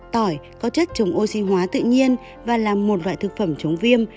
tỏi có chất chống oxy hóa tự nhiên và là một loại thực phẩm chống viêm